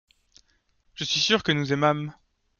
Je suis sûr que nous aimâmes.